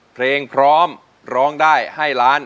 เพลงพร้อมร้องได้ให้ล้าน